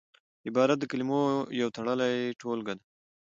عبارت د کلمو یو تړلې ټولګه ده.